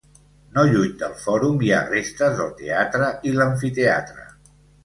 No lluny del fòrum hi ha restes del teatre i l'amfiteatre.